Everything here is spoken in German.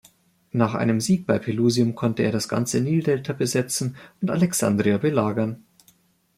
Nach einem Sieg bei Pelusium konnte er das ganze Nildelta besetzen und Alexandria belagern.